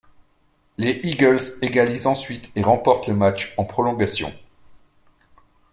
Les Eagles égalisent ensuite et remportent le match en prolongation.